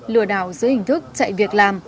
lừa đảo dưới hình thức chạy việc làm